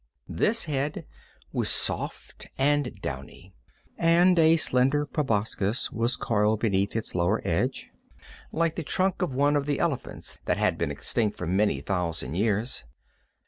This head was soft and downy, and a slender proboscis was coiled beneath its lower edge like the trunk of one of the elephants that had been extinct for many thousand years.